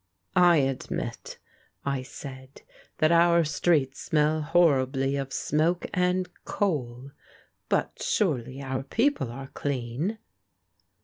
"I admit," I said, "that our streets smell horribly of smoke and coal, but surely our people are clean?"